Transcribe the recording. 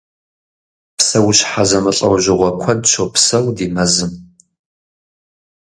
Псэущхьэ зэмылӏэужьыгъуэ куэд щопсэу ди мэзым.